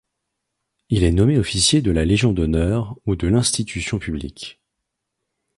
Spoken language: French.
Il est nommé officier de la Légion d'honneur ou de l'Institution publique.